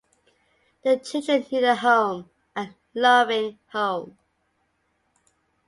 The children need a home, a loving home.